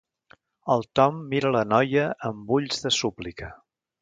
El Tom mira la noia amb ulls de súplica.